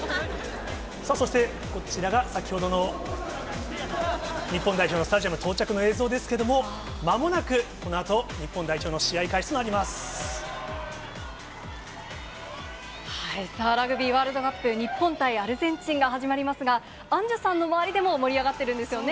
そして、こちらが先ほどの日本代表のスタジアム、到着の映像ですけれども、まもなくこのあと、さあ、ラグビーワールドカップ、日本対アルゼンチンが始まりますが、アンジュさんの周りでも盛り上がってるんですよね。